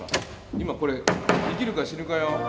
今これ生きるか死ぬかよ。